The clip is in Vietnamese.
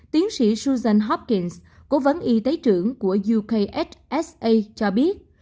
tiến sĩ susan hopkins cố vấn y tế trưởng của ukhsa cho biết